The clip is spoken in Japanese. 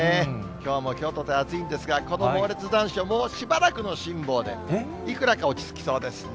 きょうもきょうとて暑いんですが、この猛烈残暑、もうしばらくの辛抱で、いくらか落ち着きそうですね。